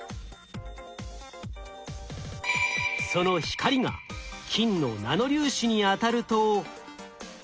その光が金のナノ粒子に当たると。